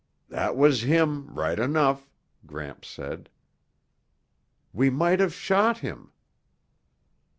"That was him right enough!" Gramps said. "We might have shot him."